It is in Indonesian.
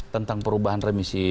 tentang perubahan remisi